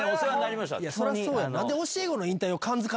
そりゃそうや！